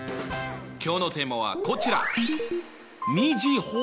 今日のテーマはこちら！